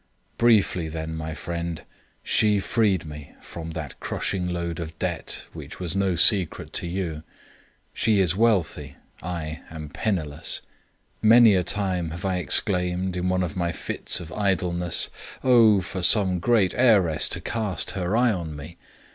Briefly, then, my friend, she freed me from that crushing load of debt, which was no secret to you. She is wealthy, I am penniless. Many a time have I exclaimed, in one of my fits of idleness, "Oh for some great heiress to cast her eye on me!"